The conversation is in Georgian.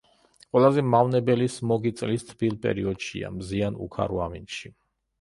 ყველაზე მავნებელი სმოგი წლის თბილ პერიოდშია, მზიან უქარო ამინდში.